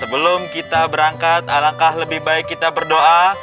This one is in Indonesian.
sebelum kita berangkat alangkah lebih baik kita berdoa